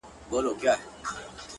ما ويل څه به مي احوال واخلي-